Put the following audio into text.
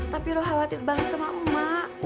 tapi lu khawatir banget sama mak